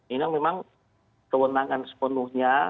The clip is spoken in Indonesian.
ini memang kewenangan sepenuhnya